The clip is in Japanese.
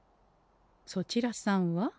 そちらさんは？